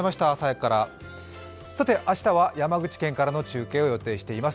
明日は山口県からの中継を予定しています。